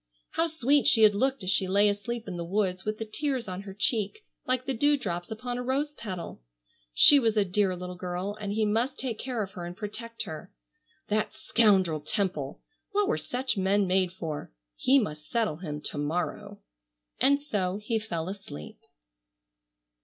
How sweet she had looked as she lay asleep in the woods with the tears on her cheek like the dew drops upon a rose petal! She was a dear little girl and he must take care of her and protect her. That scoundrel Temple! What were such men made for? He must settle him to morrow. And so he fell asleep.